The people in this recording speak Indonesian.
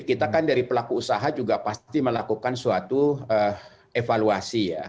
kita kan dari pelaku usaha juga pasti melakukan suatu evaluasi ya